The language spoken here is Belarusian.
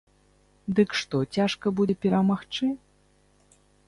Дык што, цяжка будзе перамагчы?